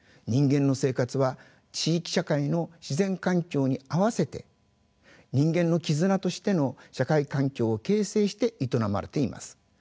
人間の生活は地域社会の自然環境に合わせて人間の絆としての社会環境を形成して営まれています。